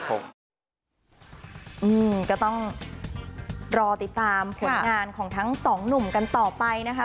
ก็ต้องรอติดตามผลงานของทั้งสองหนุ่มกันต่อไปนะคะ